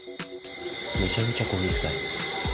めちゃめちゃ焦げ臭い。